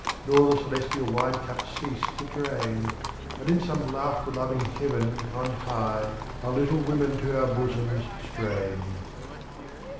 Nor the celestial wine cup cease to drain. And in some laughter loving heaven on high Our little women to our bosoms strain.